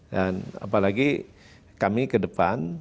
dan apalagi kami ke depan